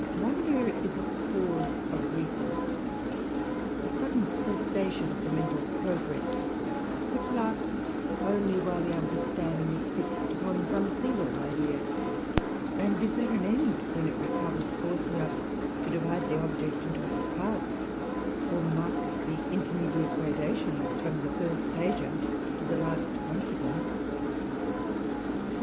Wonder is a pause of reason, a sudden cessation of the mental progress, which lasts only while the understanding is fixed upon some single idea, and is at an end when it recovers force enough to divide the object into its parts, or mark the intermediate gradations from the first agent to the last consequence.